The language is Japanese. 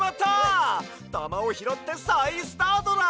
たまをひろってさいスタートだ！